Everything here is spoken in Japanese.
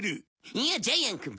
いやジャイアンくん